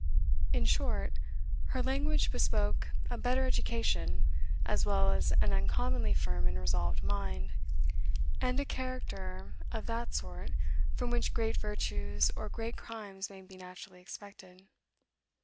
In short, her language bespoke a better education, as well as an uncommonly firm and resolved mind, and a character of that sort from which great virtues or great crimes may be naturally expected.